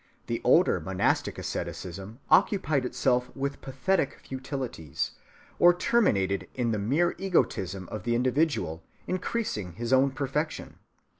The older monastic asceticism occupied itself with pathetic futilities, or terminated in the mere egotism of the individual, increasing his own perfection.